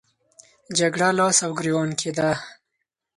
جګړه لاس او ګریوان کېده.